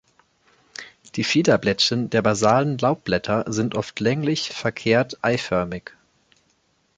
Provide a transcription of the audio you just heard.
Die Fiederblättchen der basalen Laubblätter sind oft länglich verkehrt-eiförmig.